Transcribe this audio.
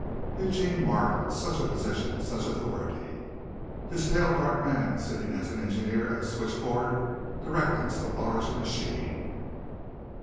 Eugene marveled. Such a position! Such authority! This pale, dark man sitting as an engineer at a switch board directing so large a machine.